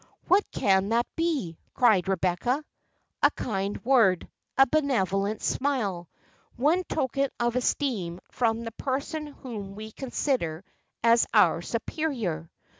"What can that be?" cried Rebecca. "A kind word, a benevolent smile, one token of esteem from the person whom we consider as our superior."